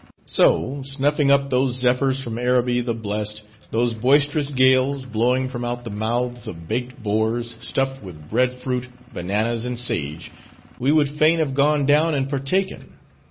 So snuffing up those zephyrs from Araby the blest, those boisterous gales, blowing from out the mouths of baked boars, stuffed with bread fruit, bananas, and sage, we would fain have gone down and partaken.